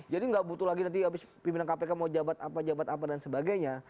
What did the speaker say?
jadi tidak butuh lagi nanti pimpinan kpk mau jabat apa dan sebagainya